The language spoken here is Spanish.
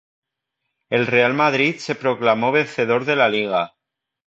El Real Madrid se proclamó vencedor de la Liga